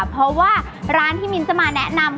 เพราะว่าร้านที่มิ้นจะมาแนะนำ